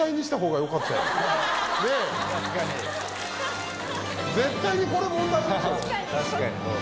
確かに。